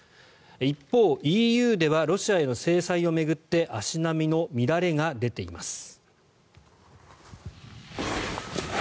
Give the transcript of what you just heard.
一方、ＥＵではロシアへの制裁を巡って足並みの乱れが出ています。